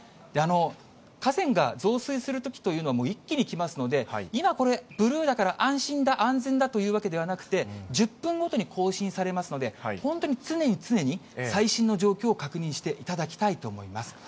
河川が増水するときというのは、一気に来ますので、今これ、ブルーだから安心だ、安全だというわけではなくて、１０分ごとに更新されますので、本当に常に常に最新の状況を確認していただきたいと思います。